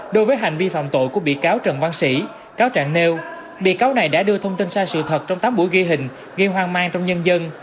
đối với hành vi phạm tội của bị cáo trần văn sĩ cáo trạng nêu bị cáo này đã đưa thông tin sai sự thật trong tám buổi ghi hình ghi hoang mang trong nhân dân